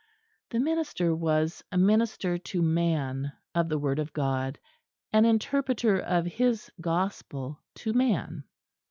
The minister was a minister to man of the Word of God, an interpreter of His gospel to man.